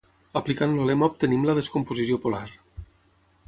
Aplicant el lema obtenim la descomposició polar.